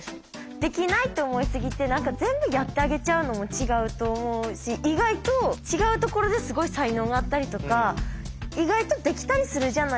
できないって思いすぎて全部やってあげちゃうのも違うと思うし意外と違うところですごい才能があったりとか意外とできたりするじゃないですか。